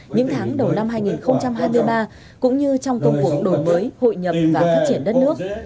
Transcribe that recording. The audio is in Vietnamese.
những tháng đầu năm hai nghìn hai mươi ba cũng như trong công cuộc đổi mới hội nhập và phát triển đất nước